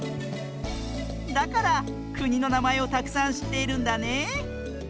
だからくにのなまえをたくさんしっているんだね！